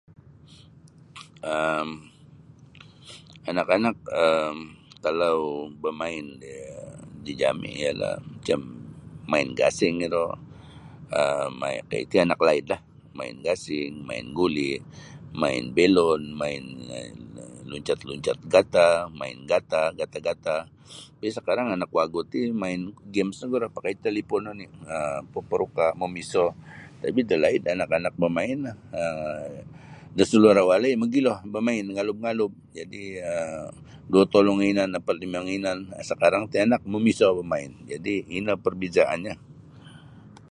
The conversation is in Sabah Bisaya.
um Anak-anak um kalau bamain um dijami' ialah macam main gasing iro um main um iti anak laidlah main gasing, main guli', main belon, main loncat-loncat gatah, main gatah gatah-gatah tapi' sakarang anak wagu ti main games nogu iro pakai talipon oni um paparuka' mamiso. Tapi' dalaid anak-anak bamain um da salura' walai mogilo bamain ngalub-ngalub jadi' duo tolu ngainan apat limo ngainan bamain tapi' sakarang ti anak mamiso ogu bamain jadi' ino perbezaanlah.